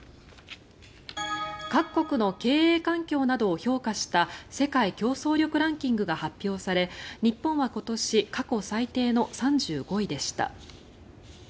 各国の経営環境などを評価した世界競争力ランキングが発表され日本は今年、過去最低の３５位でした。